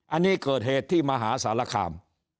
อันนี้เกิดเหตุที่มหาสารคาม